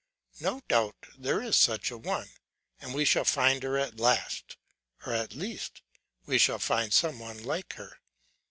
No doubt there is such a one, and we shall find her at last, or at least we shall find some one like her.